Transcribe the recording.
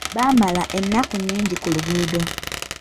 Baamala ennaku nnyingi ku luguudo.